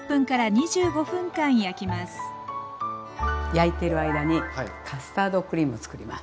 焼いてる間にカスタードクリームをつくります。